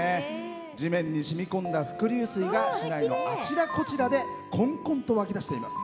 地面にしみこんだ伏流水が市内のあちらこちらでこんこんと湧き出しています。